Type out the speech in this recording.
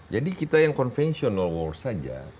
jadi kita yang conventional war saja